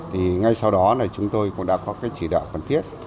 thì ngay sau đó là chúng tôi cũng đã có cái chỉ đạo cần thiết